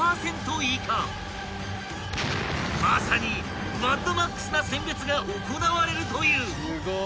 ［まさにマッドマックスな選別が行われるという］